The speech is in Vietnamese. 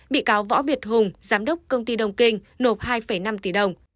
bị cáo võ việt hùng giám đốc công ty đông kinh nộp hai năm tỷ đồng